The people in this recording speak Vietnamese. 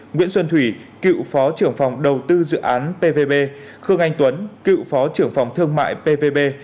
nguyễn xuân thủy cựu phó trưởng phòng đầu tư dự án pvb khương anh tuấn cựu phó trưởng phòng thương mại ppp